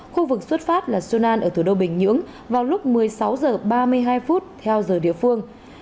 khu vực xuất phát là sunan ở thủ đô bình nhưỡng vào lúc một mươi sáu h ba mươi hai phút theo giờ địa phương